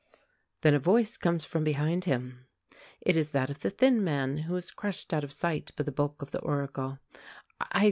Then a voice comes from behind him. It is that of the thin man, who is crushed out of sight by the bulk of the Oracle.